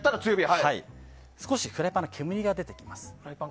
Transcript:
少しフライパンから煙が出てきます。